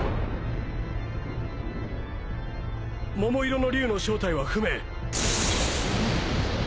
桃色の龍の正体は不明。